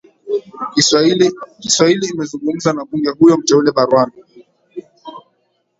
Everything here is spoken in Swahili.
kiswahili imezungumza na bunge huyo mteule barwan